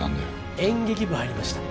演劇部入りました。